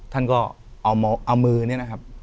ท่านก็เอามือเนี่ยนะครับ